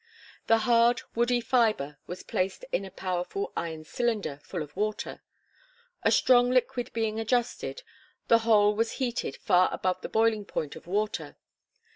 The hard, woody fibre was placed in a powerful iron cylinder full of water. A strong lid being adjusted, the whole was heated far above the boiling point of water.